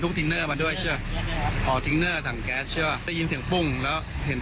อืมตอนแรกเห็นคอนขึ้นแล้วก็